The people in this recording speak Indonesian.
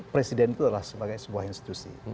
presiden itu adalah sebagai sebuah institusi